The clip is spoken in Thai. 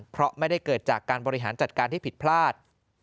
เพราะไม่ได้เกิดจากการบริหารจัดการที่ผิดพลาด